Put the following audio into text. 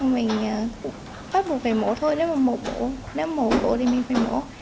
mình bắt buộc phải mổ thôi nếu mà mổ cổ thì mình phải mổ